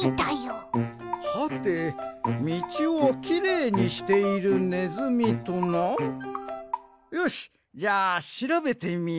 はてみちをきれいにしているネズミとな？よしじゃあしらべてみよう！